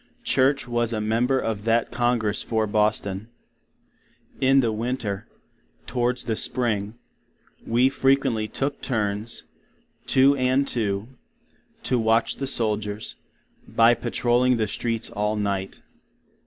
(Church was a member of that Congress for Boston.) In the Winter, towards the Spring, we frequently took Turns, two and two, to Watch the Soldiers, By patroling the Streets all night.